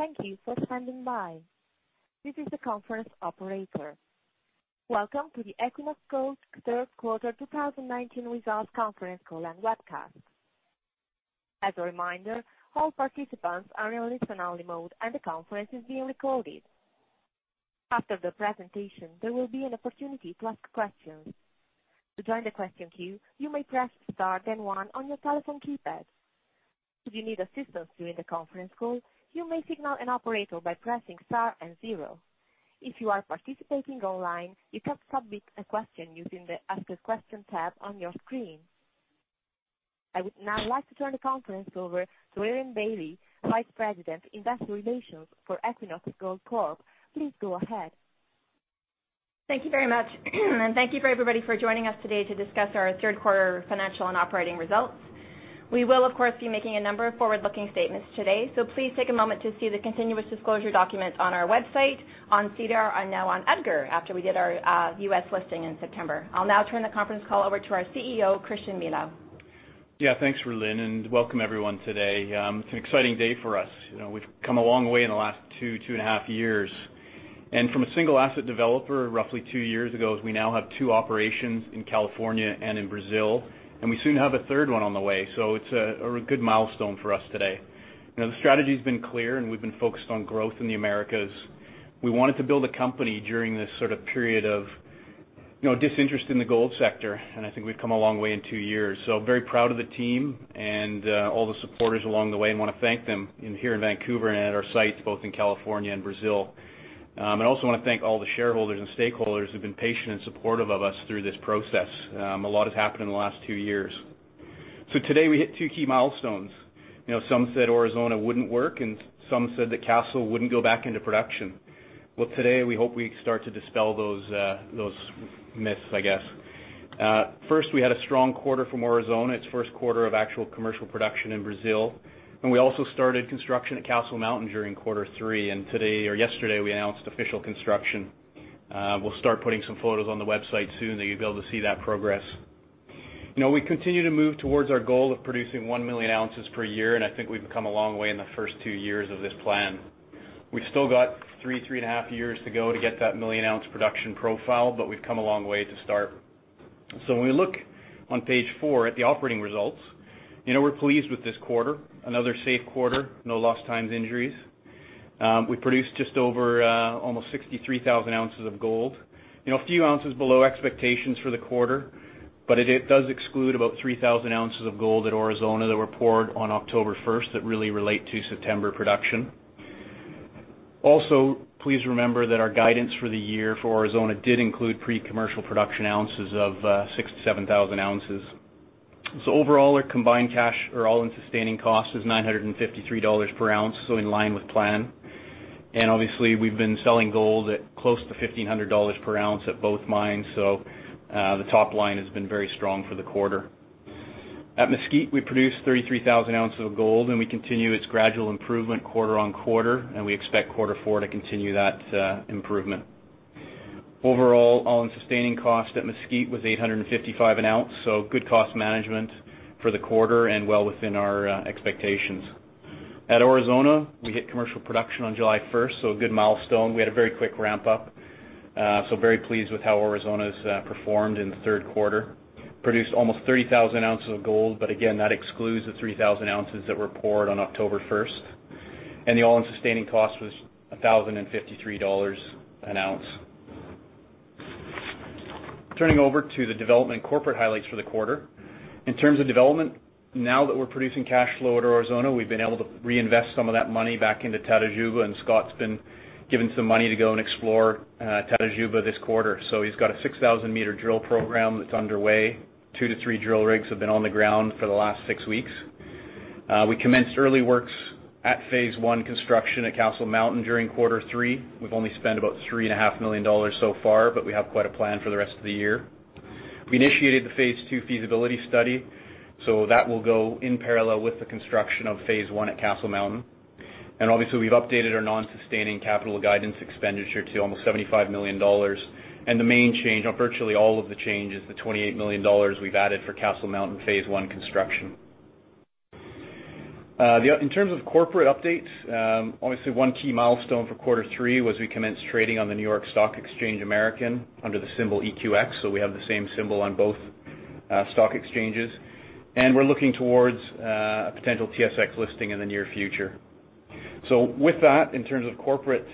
Thank you for standing by. This is the conference operator. Welcome to the Equinox Gold Third Quarter 2019 Results Conference Call and Webcast. As a reminder, all participants are in listen-only mode, and the conference is being recorded. After the presentation, there will be an opportunity to ask questions. To join the question queue, you may press star then one on your telephone keypad. If you need assistance during the conference call, you may signal an operator by pressing star and zero. If you are participating online, you can submit a question using the Ask a Question tab on your screen. I would now like to turn the conference over to Rhylin Bailie, Vice President, Investor Relations for Equinox Gold Corp. Please go ahead. Thank you very much. Thank you everybody for joining us today to discuss our third quarter financial and operating results. We will, of course, be making a number of forward-looking statements today, so please take a moment to see the continuous disclosure documents on our website, on SEDAR, and now on EDGAR after we did our U.S. listing in September. I'll now turn the conference call over to our CEO, Christian Milau. Yeah. Thanks, Rhylin. Welcome everyone today. It's an exciting day for us. We've come a long way in the last two and a half years. From a single asset developer roughly two years ago, we now have two operations in California and in Brazil, and we soon have a third one on the way. It's a good milestone for us today. The strategy's been clear, and we've been focused on growth in the Americas. We wanted to build a company during this sort of period of disinterest in the gold sector, and I think we've come a long way in two years. Very proud of the team and all the supporters along the way and want to thank them here in Vancouver and at our sites both in California and Brazil. I also want to thank all the shareholders and stakeholders who've been patient and supportive of us through this process. A lot has happened in the last two years. Today, we hit two key milestones. Some said Aurizona wouldn't work, and some said that Castle wouldn't go back into production. Today, we hope we start to dispel those myths, I guess. First, we had a strong quarter from Aurizona, its first quarter of actual commercial production in Brazil, and we also started construction at Castle Mountain during quarter 3, and today or yesterday, we announced official construction. We'll start putting some photos on the website soon that you'll be able to see that progress. We continue to move towards our goal of producing 1 million ounces per year, and I think we've come a long way in the first two years of this plan. We've still got three, 3 and a half years to go to get that million-ounce production profile, but we've come a long way to start. When we look on page four at the operating results, we're pleased with this quarter. Another safe quarter, no lost time injuries. We produced just over almost 63,000 ounces of gold. A few ounces below expectations for the quarter, but it does exclude about 3,000 ounces of gold at Aurizona that were poured on October 1st that really relate to September production. Please remember that our guidance for the year for Aurizona did include pre-commercial production ounces of 67,000 ounces. Overall, our combined cash or all-in sustaining cost was $953 per ounce, so in line with plan. Obviously, we've been selling gold at close to $1,500 per ounce at both mines. The top line has been very strong for the quarter. At Mesquite, we produced 33,000 ounces of gold, we continue its gradual improvement quarter-on-quarter, we expect quarter four to continue that improvement. Overall, all-in sustaining cost at Mesquite was $855 an ounce, good cost management for the quarter well within our expectations. At Aurizona, we hit commercial production on July 1st, a good milestone. We had a very quick ramp-up. Very pleased with how Aurizona's performed in the third quarter. Produced almost 30,000 ounces of gold, again, that excludes the 3,000 ounces that were poured on October 1st. The all-in sustaining cost was $1,053 an ounce. Turning over to the development and corporate highlights for the quarter. In terms of development, now that we're producing cash flow at Aurizona, we've been able to reinvest some of that money back into Tatajuba. Scott's been given some money to go and explore Tatajuba this quarter. He's got a 6,000-meter drill program that's underway. Two to three drill rigs have been on the ground for the last six weeks. We commenced early works at Phase 1 construction at Castle Mountain during quarter 3. We've only spent about $3.5 million so far. We have quite a plan for the rest of the year. We initiated the Phase 2 feasibility study. That will go in parallel with the construction of Phase 1 at Castle Mountain. Obviously, we've updated our non-sustaining capital guidance expenditure to almost $75 million. The main change on virtually all of the change is the $28 million we've added for Castle Mountain Phase 1 construction. In terms of corporate updates, obviously one key milestone for quarter three was we commenced trading on the New York Stock Exchange American under the symbol EQX. We have the same symbol on both stock exchanges. We're looking towards a potential TSX listing in the near future. With that, in terms of corporate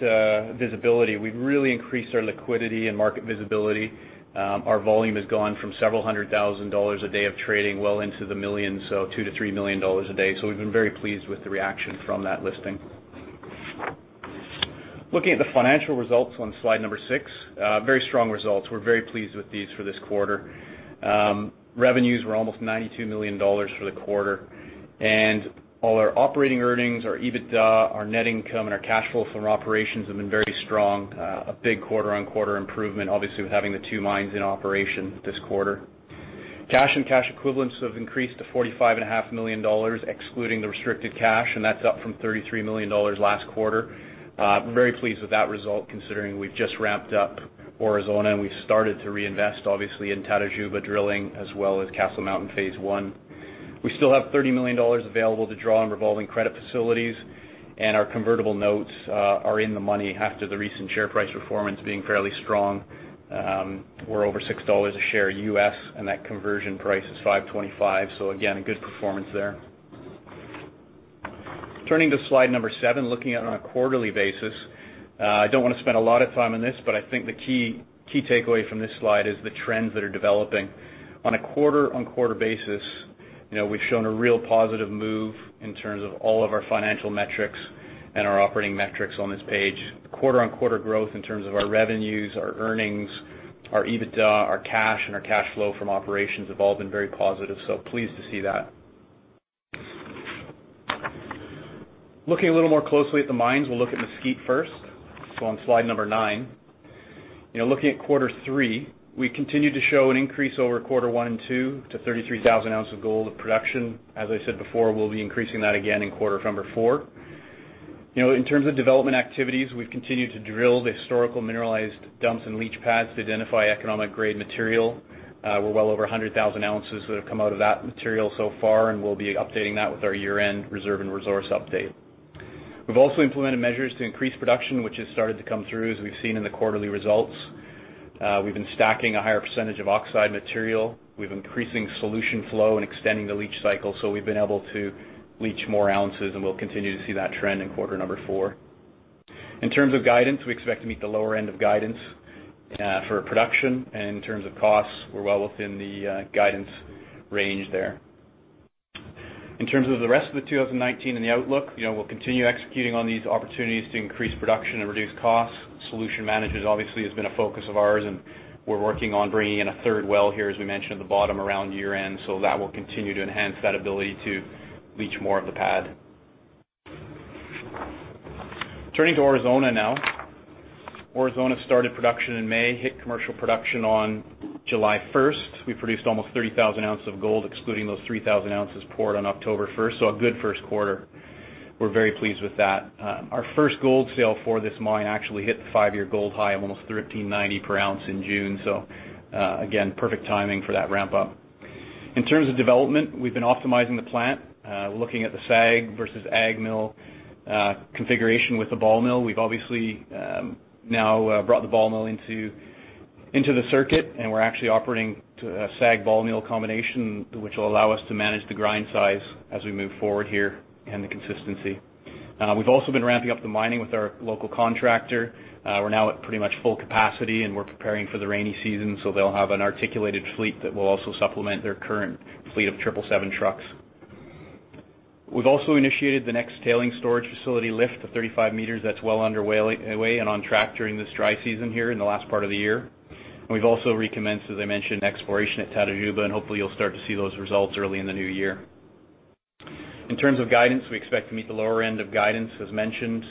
visibility, we've really increased our liquidity and market visibility. Our volume has gone from several hundred thousand dollars a day of trading well into the millions, $2 million-$3 million a day. We've been very pleased with the reaction from that listing. Looking at the financial results on slide number six. Very strong results. We're very pleased with these for this quarter. Revenues were almost $92 million for the quarter. All our operating earnings, our EBITDA, our net income, and our cash flow from operations have been very strong. A big quarter-on-quarter improvement, obviously, with having the two mines in operation this quarter. Cash and cash equivalents have increased to $45.5 million, excluding the restricted cash, and that's up from $33 million last quarter. I'm very pleased with that result, considering we've just wrapped up Aurizona, and we've started to reinvest, obviously, in Tatajuba drilling as well as Castle Mountain phase 1. We still have $30 million available to draw on revolving credit facilities, and our convertible notes are in the money after the recent share price performance being fairly strong. We're over $6 a share U.S., and that conversion price is $5.25. Again, a good performance there. Turning to slide seven, looking at it on a quarterly basis. I don't want to spend a lot of time on this, but I think the key takeaway from this slide is the trends that are developing. On a quarter-on-quarter basis, we've shown a real positive move in terms of all of our financial metrics and our operating metrics on this page. Quarter-on-quarter growth in terms of our revenues, our earnings, our EBITDA, our cash, and our cash flow from operations have all been very positive, so pleased to see that. Looking a little more closely at the mines. We'll look at Mesquite first, so on slide number nine. Looking at quarter three, we continue to show an increase over quarter one and two to 33,000 ounces of gold of production. As I said before, we'll be increasing that again in quarter number four. In terms of development activities, we've continued to drill the historical mineralized dumps and leach pads to identify economic grade material. We're well over 100,000 ounces that have come out of that material so far, and we'll be updating that with our year-end reserve and resource update. We've also implemented measures to increase production, which has started to come through, as we've seen in the quarterly results. We've been stacking a higher percentage of oxide material. We've increasing solution flow and extending the leach cycle, so we've been able to leach more ounces, and we'll continue to see that trend in quarter number four. In terms of guidance, we expect to meet the lower end of guidance for production. In terms of costs, we're well within the guidance range there. In terms of the rest of 2019 and the outlook, we'll continue executing on these opportunities to increase production and reduce costs. Solution management obviously has been a focus of ours, and we're working on bringing in a third well here, as we mentioned at the bottom, around year-end. That will continue to enhance that ability to leach more of the pad. Turning to Aurizona now. Aurizona started production in May, hit commercial production on July 1st. We produced almost 30,000 ounces of gold, excluding those 3,000 ounces poured on October 1st, so a good first quarter. We're very pleased with that. Our first gold sale for this mine actually hit the five-year gold high of almost $1,390 per ounce in June, so again, perfect timing for that ramp up. In terms of development, we've been optimizing the plant. We're looking at the SAG versus AG mill configuration with the ball mill. We've obviously now brought the ball mill into the circuit. We're actually operating to a SAG/ball mill combination, which will allow us to manage the grind size as we move forward here, and the consistency. We've also been ramping up the mining with our local contractor. We're now at pretty much full capacity. We're preparing for the rainy season. They'll have an articulated fleet that will also supplement their current fleet of 777 trucks. We've also initiated the next tailing storage facility lift to 35 meters. That's well underway and on track during this dry season here in the last part of the year. We've also recommenced, as I mentioned, exploration at Tatajuba. Hopefully you'll start to see those results early in the new year. In terms of guidance, we expect to meet the lower end of guidance, as mentioned.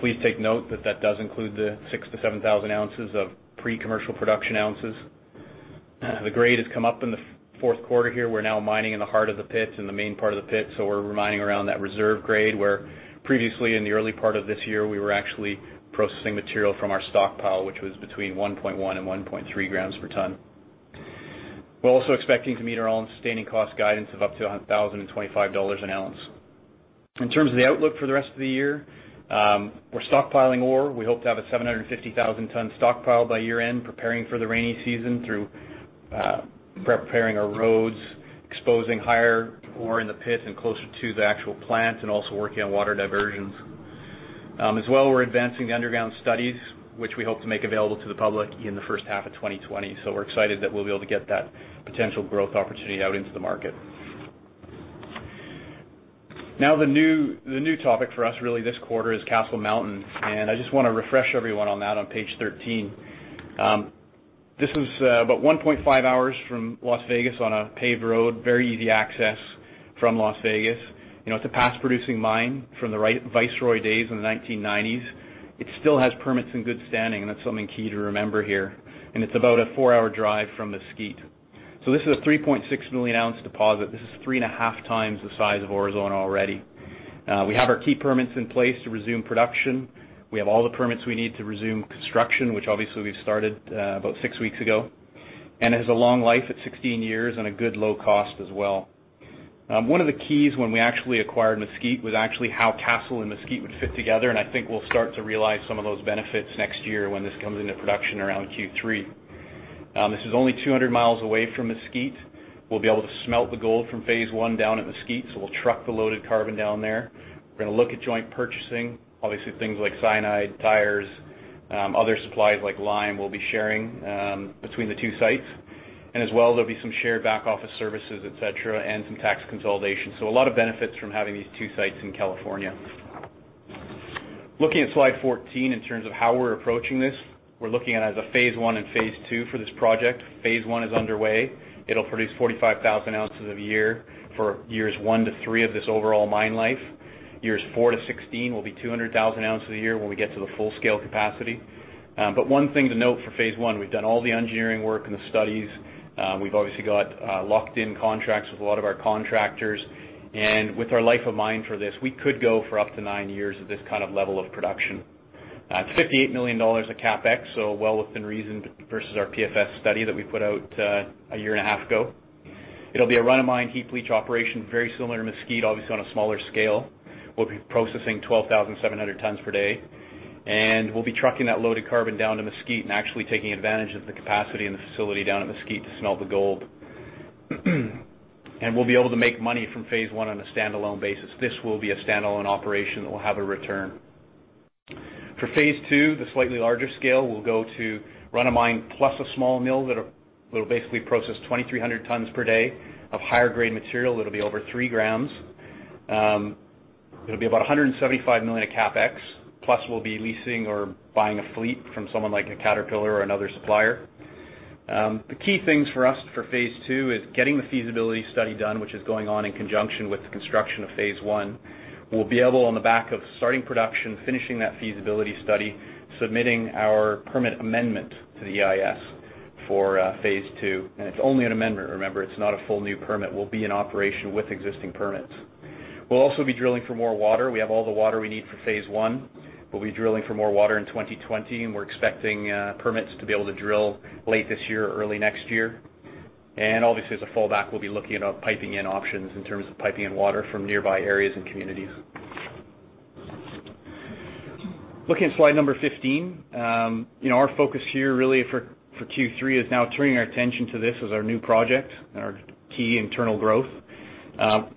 Please take note that that does include the 6,000 to 7,000 ounces of pre-commercial production ounces. The grade has come up in the fourth quarter here. We're now mining in the heart of the pits, in the main part of the pit, so we're mining around that reserve grade, where previously in the early part of this year, we were actually processing material from our stockpile, which was between 1.1 and 1.3 grams per ton. We're also expecting to meet our own sustaining cost guidance of up to $1,025 an ounce. In terms of the outlook for the rest of the year, we're stockpiling ore. We hope to have a 750,000-ton stockpile by year-end, preparing for the rainy season through preparing our roads, exposing higher ore in the pit and closer to the actual plant, and also working on water diversions. As well, we're advancing the underground studies, which we hope to make available to the public in the first half of 2020. We're excited that we'll be able to get that potential growth opportunity out into the market. The new topic for us really this quarter is Castle Mountain, and I just want to refresh everyone on that on page 13. This is about 1.5 hours from Las Vegas on a paved road, very easy access from Las Vegas. It's a past-producing mine from the Viceroy days in the 1990s. It still has permits in good standing, and that's something key to remember here. It's about a four-hour drive from Mesquite. This is a 3.6 million-ounce deposit. This is 3.5 times the size of Aurizona already. We have our key permits in place to resume production. We have all the permits we need to resume construction, which obviously we've started about 6 weeks ago. It has a long life at 16 years and a good low cost as well. One of the keys when we actually acquired Mesquite was actually how Castle and Mesquite would fit together, and I think we'll start to realize some of those benefits next year when this comes into production around Q3. This is only 200 miles away from Mesquite. We'll be able to smelt the gold from phase 1 down at Mesquite, so we'll truck the loaded carbon down there. We're going to look at joint purchasing. Obviously, things like cyanide, tires, other supplies like lime we'll be sharing between the two sites. As well, there'll be some shared back office services, et cetera, and some tax consolidation. A lot of benefits from having these two sites in California. Looking at slide 14 in terms of how we're approaching this. We're looking at it as a phase 1 and phase 2 for this project. Phase 1 is underway. It'll produce 45,000 ounces a year for years 1-3 of this overall mine life. Years 14-16 will be 200,000 ounces a year when we get to the full-scale capacity. One thing to note for phase 1, we've done all the engineering work and the studies. We've obviously got locked-in contracts with a lot of our contractors. With our life of mine for this, we could go for up to nine years at this kind of level of production. It's $58 million of CapEx, so well within reason versus our PFS study that we put out a year and a half ago. It'll be a run-of-mine heap leach operation, very similar to Mesquite, obviously, on a smaller scale. We'll be processing 12,700 tons per day, and we'll be trucking that loaded carbon down to Mesquite and actually taking advantage of the capacity and the facility down at Mesquite to smelt the gold. We'll be able to make money from phase one on a standalone basis. This will be a standalone operation that will have a return. For phase 2, the slightly larger scale, we'll go to run-of-mine plus a small mill that'll basically process 2,300 tons per day of higher grade material that'll be over three grams. It'll be about $175 million of CapEx, plus we'll be leasing or buying a fleet from someone like a Caterpillar or another supplier. The key things for us for phase 2 is getting the feasibility study done, which is going on in conjunction with the construction of phase 1. We'll be able, on the back of starting production, finishing that feasibility study, submitting our permit amendment to the EIS for phase 2. It's only an amendment, remember, it's not a full new permit. We'll be in operation with existing permits. We'll also be drilling for more water. We have all the water we need for phase 1. We'll be drilling for more water in 2020, and we're expecting permits to be able to drill late this year or early next year. Obviously, as a fallback, we'll be looking at piping in options in terms of piping in water from nearby areas and communities. Looking at slide number 15. Our focus here really for Q3 is now turning our attention to this as our new project and our key internal growth.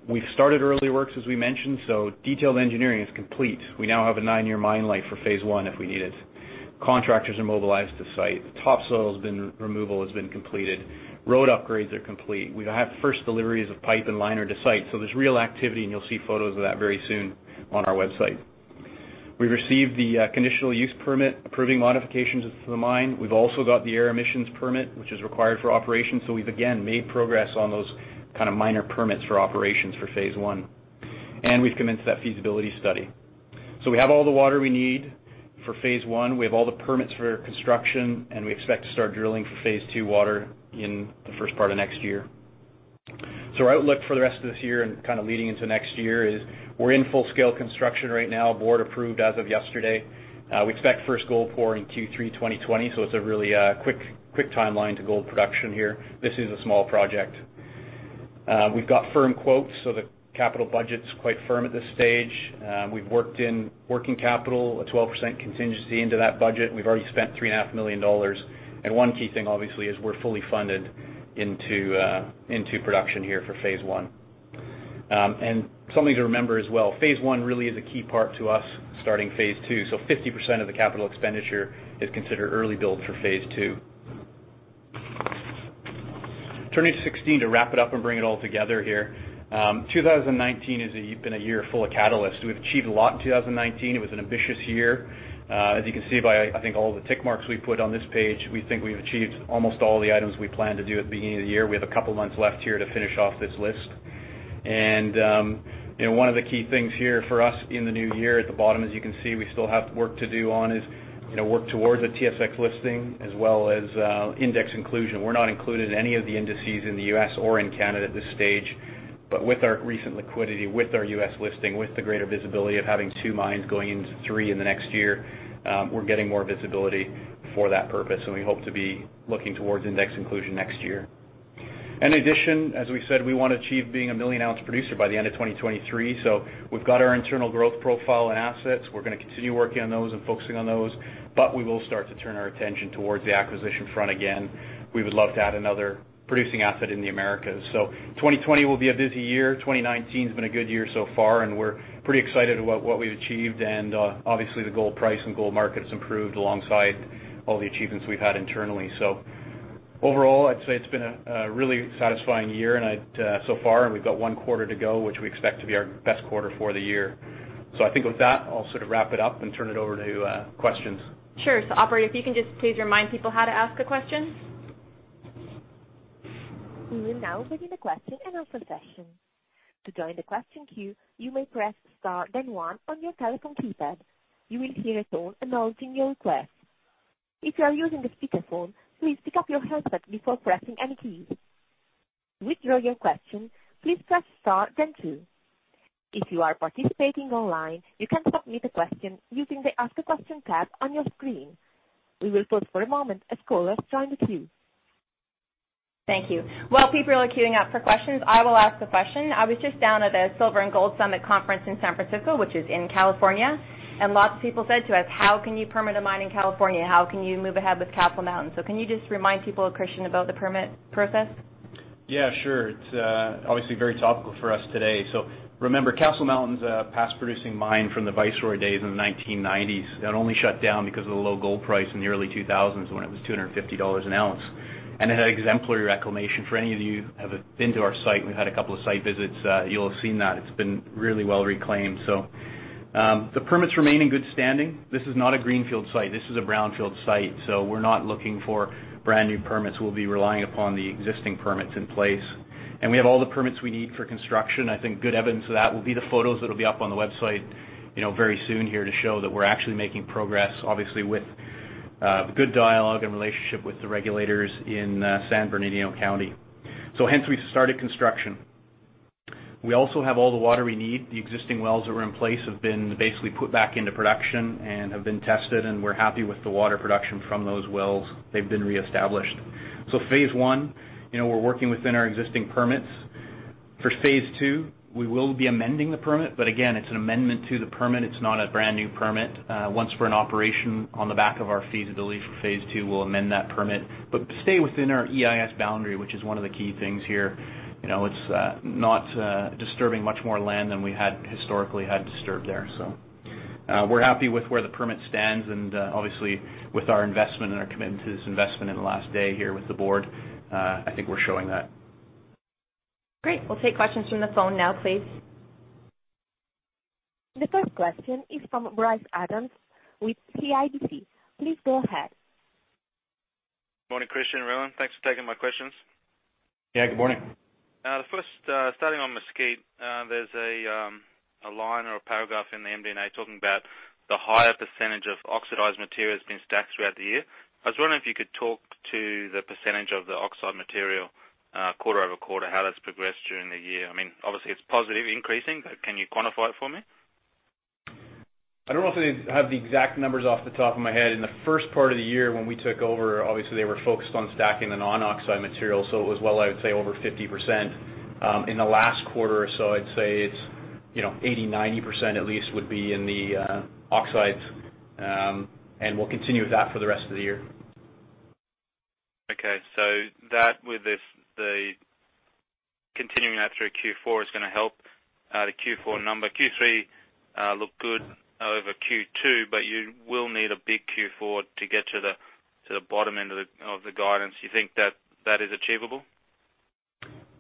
We've started early works, as we mentioned, so detailed engineering is complete. We now have a nine-year mine life for phase one if we need it. Contractors are mobilized to site. Topsoil removal has been completed. Road upgrades are complete. We have had first deliveries of pipe and liner to site. There's real activity, and you'll see photos of that very soon on our website. We've received the conditional use permit approving modifications to the mine. We've also got the air emissions permit, which is required for operation. We've, again, made progress on those kind of minor permits for operations for phase 1. We've commenced that feasibility study. We have all the water we need for phase 1. We have all the permits for construction, and we expect to start drilling for phase 2 water in the first part of next year. Our outlook for the rest of this year and kind of leading into next year is we're in full-scale construction right now, board approved as of yesterday. We expect first gold pour in Q3 2020, it's a really quick timeline to gold production here. This is a small project. We've got firm quotes, the capital budget's quite firm at this stage. We've worked in working capital, a 12% contingency into that budget. We've already spent $3.5 million. One key thing, obviously, is we're fully funded into production here for phase 1. Something to remember as well, phase 1 really is a key part to us starting phase 2. 50% of the capital expenditure is considered early build for phase 2. Turning to 16 to wrap it up and bring it all together here. 2019 has been a year full of catalysts. We've achieved a lot in 2019. It was an ambitious year. As you can see by, I think, all the tick marks we put on this page, we think we've achieved almost all the items we planned to do at the beginning of the year. We have a couple of months left here to finish off this list. One of the key things here for us in the new year at the bottom, as you can see, we still have work to do on is work towards a TSX listing as well as index inclusion. We're not included in any of the indices in the U.S. or in Canada at this stage. With our recent liquidity, with our U.S. listing, with the greater visibility of having two mines going into three in the next year, we're getting more visibility for that purpose, and we hope to be looking towards index inclusion next year. In addition, as we said, we want to achieve being a million-ounce producer by the end of 2023. We've got our internal growth profile and assets. We're going to continue working on those and focusing on those, but we will start to turn our attention towards the acquisition front again. We would love to add another producing asset in the Americas. 2020 will be a busy year. 2019's been a good year so far, and we're pretty excited about what we've achieved. Obviously, the gold price and gold market's improved alongside all the achievements we've had internally. Overall, I'd say it's been a really satisfying year so far, and we've got one quarter to go, which we expect to be our best quarter for the year. I think with that, I'll sort of wrap it up and turn it over to questions. Sure. operator, if you can just please remind people how to ask a question. We will now begin the question and answer session. To join the question queue, you may press star then one on your telephone keypad. You will hear a tone acknowledging your request. If you are using a speakerphone, please pick up your headset before pressing any keys. To withdraw your question, please press star then two. If you are participating online, you can submit a question using the Ask a Question tab on your screen. We will pause for a moment as callers join the queue. Thank you. While people are queueing up for questions, I will ask a question. I was just down at a Silver & Gold Summit conference in San Francisco, which is in California, and lots of people said to us, "How can you permit a mine in California? How can you move ahead with Castle Mountain?" Can you just remind people, Christian, about the permit process? Yeah, sure. It's obviously very topical for us today. Remember, Castle Mountain's a past producing mine from the Viceroy days in the 1990s that only shut down because of the low gold price in the early 2000s when it was $250 an ounce. It had exemplary reclamation. For any of you who have been to our site, we've had a couple of site visits, you'll have seen that it's been really well reclaimed. The permits remain in good standing. This is not a greenfield site, this is a brownfield site, we're not looking for brand-new permits. We'll be relying upon the existing permits in place. We have all the permits we need for construction. I think good evidence of that will be the photos that'll be up on the website very soon here to show that we're actually making progress, obviously, with the good dialogue and relationship with the regulators in San Bernardino County. Hence, we've started construction. We also have all the water we need. The existing wells that were in place have been basically put back into production and have been tested, and we're happy with the water production from those wells. They've been reestablished. Phase 1, we're working within our existing permits. For phase 2, we will be amending the permit, but again, it's an amendment to the permit, it's not a brand new permit. Once we're in operation on the back of our feasibility for phase 2, we'll amend that permit, but stay within our EIS boundary, which is one of the key things here. It's not disturbing much more land than we historically had disturbed there. We're happy with where the permit stands and obviously with our investment and our commitment to this investment in the last day here with the board, I think we're showing that. Great. We'll take questions from the phone now, please. The first question is from Bryce Adams with CIBC. Please go ahead. Morning, Christian and Christian. Thanks for taking my questions. Yeah, good morning. The first, starting on Mesquite, there's a line or a paragraph in the MD&A talking about the higher percentage of oxidized materials being stacked throughout the year. I was wondering if you could talk to the percentage of the oxide material, quarter-over-quarter, how that's progressed during the year? I mean, obviously it's positive increasing, but can you quantify it for me? I don't know if I have the exact numbers off the top of my head. In the first part of the year when we took over, obviously they were focused on stacking the non-oxide material, so it was well, I would say, over 50%. In the last quarter or so, I'd say it's 80%-90% at least would be in the oxides. We'll continue with that for the rest of the year. Okay. Continuing that through Q4 is going to help the Q4 number. Q3 looked good over Q2, but you will need a big Q4 to get to the bottom end of the guidance. Do you think that is achievable?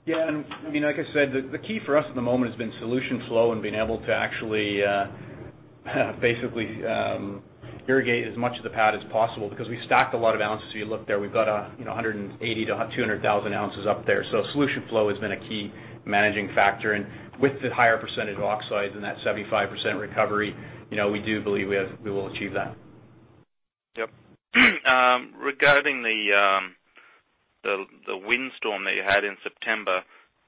Yeah. Like I said, the key for us at the moment has been solution flow and being able to actually basically irrigate as much of the pad as possible because we've stacked a lot of ounces. If you look there, we've got 180,000-200,000 ounces up there. Solution flow has been a key managing factor. With the higher percentage of oxides and that 75% recovery, we do believe we will achieve that. Yep. Regarding the windstorm that you had in September,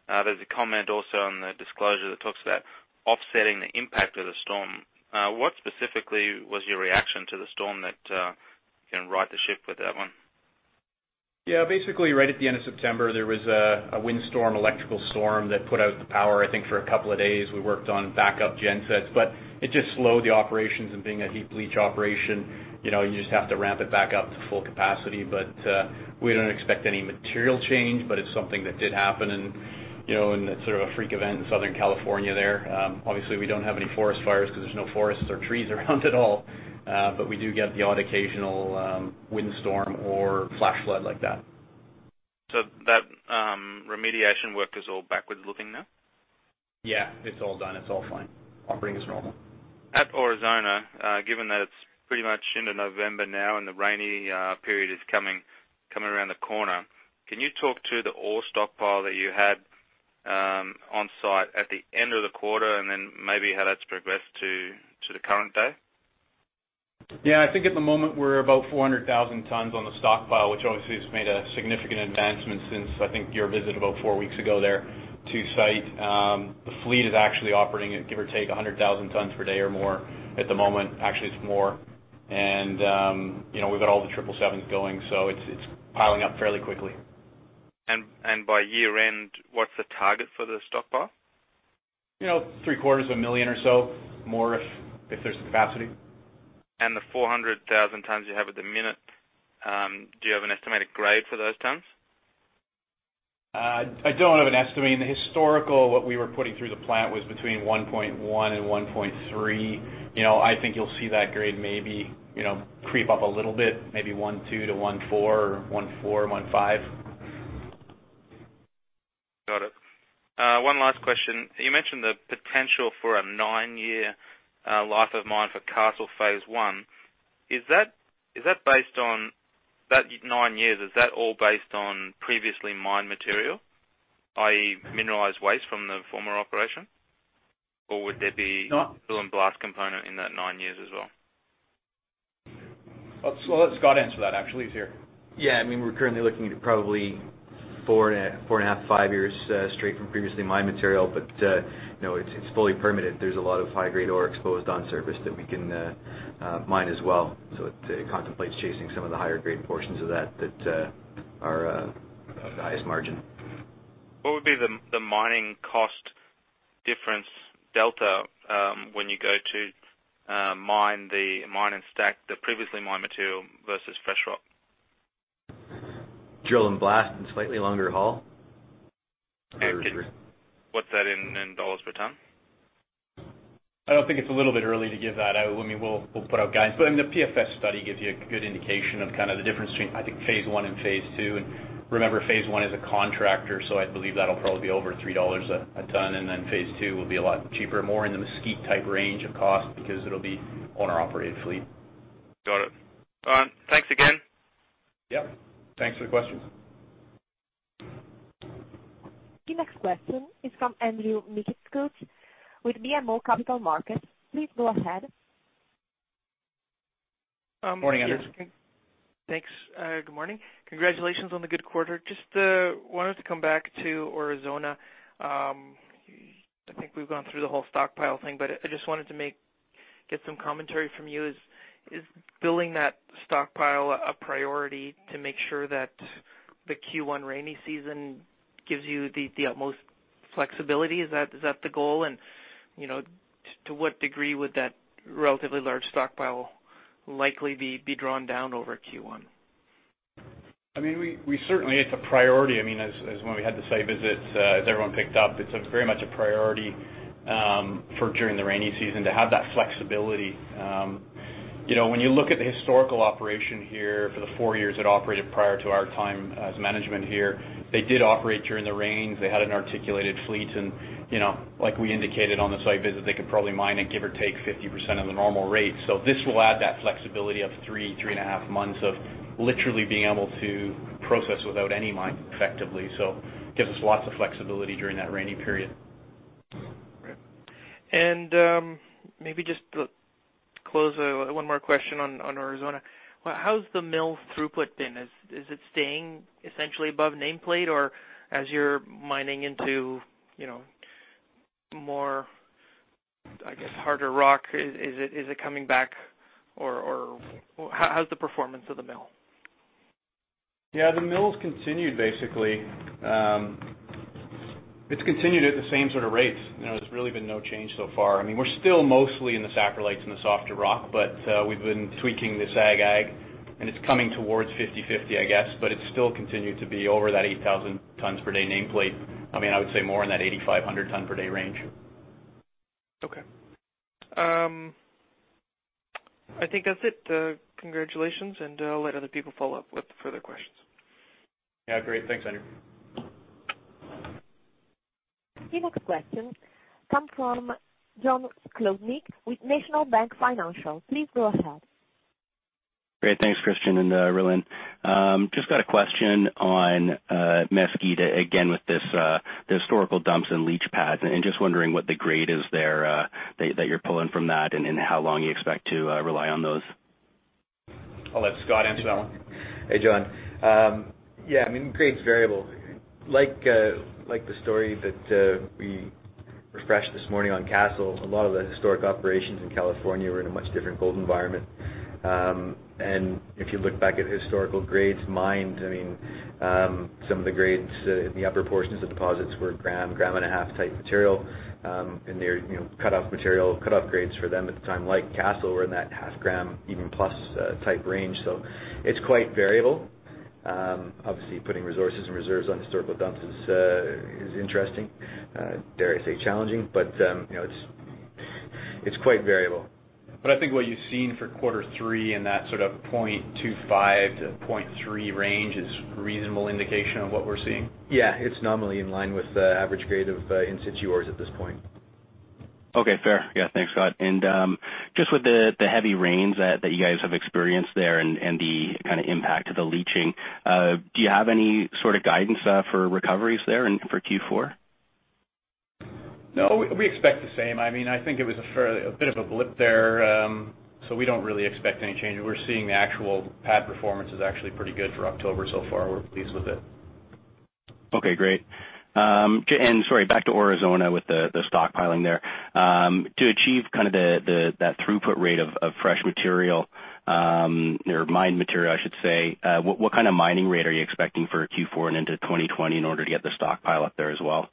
there's a comment also on the disclosure that talks about offsetting the impact of the storm. What specifically was your reaction to the storm that can right the ship with that one? Yeah, basically right at the end of September, there was a windstorm, electrical storm that put out the power, I think, for a couple of days. We worked on backup gen sets. It just slowed the operations and being a heap leach operation, you just have to ramp it back up to full capacity. We don't expect any material change, but it's something that did happen, and it's sort of a freak event in Southern California there. Obviously, we don't have any forest fires because there's no forests or trees around at all. We do get the odd occasional windstorm or flash flood like that. That remediation work is all backwards looking now? Yeah, it's all done. It's all fine. Operating as normal. At Aurizona, given that it's pretty much into November now and the rainy period is coming around the corner, can you talk to the ore stockpile that you had on-site at the end of the quarter and then maybe how that's progressed to the current day? Yeah, I think at the moment we're about 400,000 tons on the stockpile, which obviously has made a significant advancement since, I think, your visit about four weeks ago there to site. The fleet is actually operating at give or take, 100,000 tons per day or more at the moment. Actually, it's more. We've got all the 777s going, so it's piling up fairly quickly. By year-end, what's the target for the stockpile? Three-quarters of a million or so. More if there's capacity. The 400,000 tons you have at the minute, do you have an estimated grade for those tons? I don't have an estimate. In the historical, what we were putting through the plant was between 1.1 and 1.3. I think you'll see that grade maybe creep up a little bit, maybe 1.2-1.4 or 1.4, 1.5. Got it. One last question. You mentioned the potential for a nine-year life of mine for Castle phase one. That nine years, is that all based on previously mined material, i.e., mineralized waste from the former operation? Or would there- No drill and blast component in that nine years as well? I'll let Scott answer that, actually. He's here. Yeah. We're currently looking at probably four and a half, five years, straight from previously mined material. It's fully permitted. There's a lot of high-grade ore exposed on surface that we can mine as well. It contemplates chasing some of the higher grade portions of that are of the highest margin. What would be the mining cost difference delta, when you go to mine and stack the previously mined material versus fresh rock? Drill and blast and slightly longer haul. What's that in dollars per ton? I think it's a little bit early to give that out. We'll put out guidance. The PFS study gives you a good indication of kind of the difference between, I think, phase 1 and phase 2. Remember, phase 1 is a contractor, so I believe that'll probably be over $3 a ton, and then phase 2 will be a lot cheaper. More in the Mesquite type range of cost because it'll be owner operated fleet. Got it. All right. Thanks again. Yep. Thanks for the questions. The next question is from Andrew Mikitchook with BMO Capital Markets. Please go ahead. Morning, Andrew. Thanks. Good morning. Congratulations on the good quarter. Just wanted to come back to Aurizona. I think we've gone through the whole stockpile thing, but I just wanted to get some commentary from you. Is building that stockpile a priority to make sure that the Q1 rainy season gives you the utmost flexibility? Is that the goal, and to what degree would that relatively large stockpile likely be drawn down over Q1? It's a priority. As when we had the site visits, as everyone picked up, it's very much a priority for during the rainy season to have that flexibility. When you look at the historical operation here for the four years it operated prior to our time as management here, they did operate during the rains. They had an articulated fleet and, like we indicated on the site visit, they could probably mine at give or take 50% of the normal rate. This will add that flexibility of three and a half months of literally being able to process without any mine effectively. Gives us lots of flexibility during that rainy period. Great. Maybe just to close, one more question on Aurizona. How's the mill throughput been? Is it staying essentially above nameplate or as you're mining into more, I guess, harder rock, is it coming back or how's the performance of the mill? The mill's continued basically. It's continued at the same sort of rates. There's really been no change so far. We're still mostly in the saprolites and the softer rock, but we've been tweaking the SAG/AG, and it's coming towards 50/50, I guess, but it's still continued to be over that 8,000 tons per day nameplate. I would say more in that 8,500 ton per day range. Okay. I think that's it. Congratulations. I'll let other people follow up with further questions. Yeah, great. Thanks, Andrew. The next question come from Jack Kopnisky with National Bank Financial. Please go ahead. Great. Thanks, Christian and Rhylin. Just got a question on Mesquite again, with this, the historical dumps and leach pads, and just wondering what the grade is there, that you're pulling from that and how long you expect to rely on those? I'll let Scott answer that one. Hey, Jack. Yeah, grade's variable. Like the story that we refreshed this morning on Castle, a lot of the historic operations in California were in a much different gold environment. If you look back at historical grades mined, some of the grades in the upper portions of deposits were gram and a half type material. Their cutoff grades for them at the time, like Castle, were in that half gram even plus type range. It's quite variable. Obviously putting resources and reserves on historical dumps is interesting, dare I say, challenging, but it's quite variable. I think what you've seen for quarter three in that $0.25-$0.3 range is reasonable indication of what we're seeing. Yeah, it's nominally in line with the average grade of in-situ ores at this point. Okay, fair. Yeah, thanks, Scott. Just with the heavy rains that you guys have experienced there and the kind of impact of the leaching, do you have any sort of guidance for recoveries there and for Q4? No, we expect the same. I think it was a bit of a blip there. We don't really expect any change. We're seeing the actual pad performance is actually pretty good for October so far. We're pleased with it. Okay, great. Sorry, back to Aurizona with the stockpiling there. To achieve that throughput rate of fresh material, or mined material I should say, what kind of mining rate are you expecting for Q4 and into 2020 in order to get the stockpile up there as well?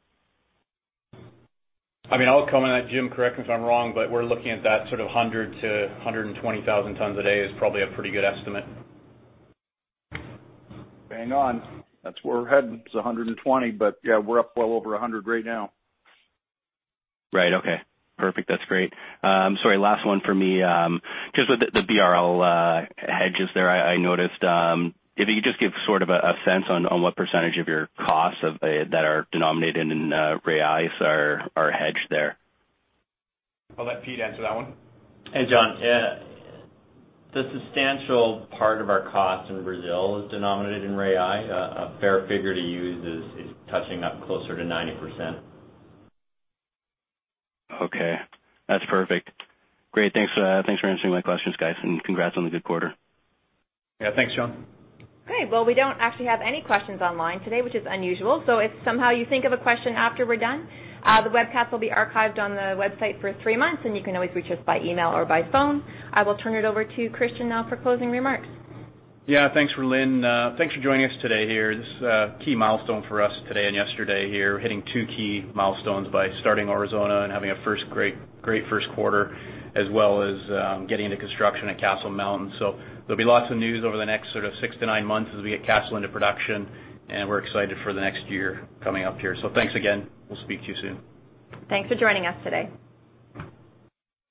I'll comment on that. Jim, correct me if I'm wrong, but we're looking at that sort of 100-120,000 tons a day is probably a pretty good estimate. Bang on. That's where we're heading is 120, but yeah, we're up well over 100 right now. Right. Okay. Perfect. That's great. Sorry, last one for me. Just with the BRL hedges there, I noticed, if you could just give sort of a sense on what percentage of your costs that are denominated in reais are hedged there? I'll let Pete answer that one. Hey, Jack. The substantial part of our cost in Brazil is denominated in real. A fair figure to use is touching up closer to 90%. Okay. That's perfect. Great. Thanks for answering my questions, guys, and congrats on the good quarter. Yeah, thanks, Jack. Great. Well, we don't actually have any questions online today, which is unusual, so if somehow you think of a question after we're done, the webcast will be archived on the website for three months, and you can always reach us by email or by phone. I will turn it over to Christian now for closing remarks. Yeah. Thanks, Rhylin. Thanks for joining us today here. This is a key milestone for us today and yesterday here. Hitting two key milestones by starting Aurizona and having a great first quarter, as well as getting into construction at Castle Mountain. There'll be lots of news over the next sort of 6-9 months as we get Castle into production, and we're excited for the next year coming up here. Thanks again. We'll speak to you soon. Thanks for joining us today.